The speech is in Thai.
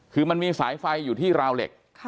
คือมันมีสายไฟอยู่ที่ราวเหล็ก